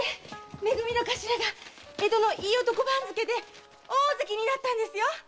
め組の頭が江戸のいい男番付で大関ですよ！